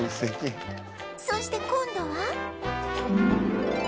そして今度は